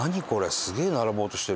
すげえ並ぼうとしてる。